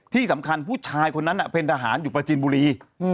ที่สำคัญผู้ชายคนนั้นเป็นทหารอยู่ประจินบุรี